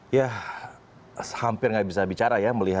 dari malino cnn indonesia